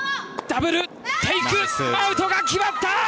ダブル・テイクアウトが決まった！